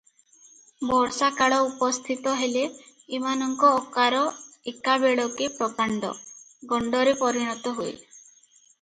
ବର୍ଷାକାଳ ଉପସ୍ଥିତ ହେଲେ ଏମାନଙ୍କ ଅକାର ଏକାବେଳକେ ପ୍ରକାଣ୍ଡ, ଗଣ୍ଡରେ ପରିଣତ ହୁଏ ।